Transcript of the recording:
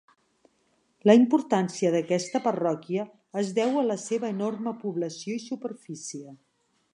La importància d'aquesta parròquia es deu a la seva enorme població i superfície.